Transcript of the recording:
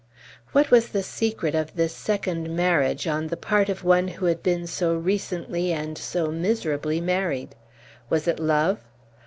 What was the secret of this second marriage on the part of one who had been so recently and so miserably married? Was it love?